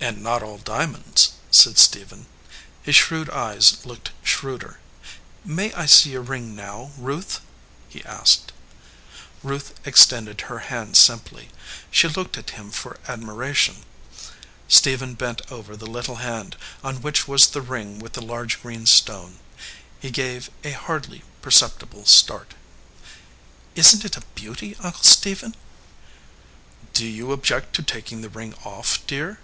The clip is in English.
"And not all diamonds," said Stephen. His shrewd eyes looked shrewder. "May I see your ring now, Ruth?" he asked. Ruth extended her hand simply. She looked at him for admiration. Stephen bent over the little hand, on which was the ring with the large green stone. He gave a hardly perceptible start. "Isn t it a beauty, Uncle Stephen?" "Do you object to taking the ring off, dear?"